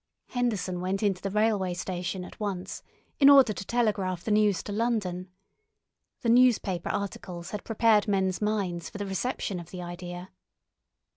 Henderson went into the railway station at once, in order to telegraph the news to London. The newspaper articles had prepared men's minds for the reception of the idea.